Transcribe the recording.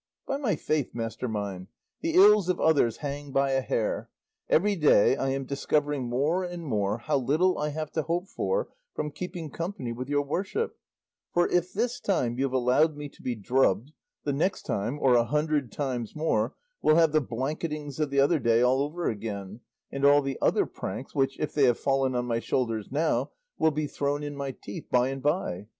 By my faith, master mine, the ills of others hang by a hair; every day I am discovering more and more how little I have to hope for from keeping company with your worship; for if this time you have allowed me to be drubbed, the next time, or a hundred times more, we'll have the blanketings of the other day over again, and all the other pranks which, if they have fallen on my shoulders now, will be thrown in my teeth by and by.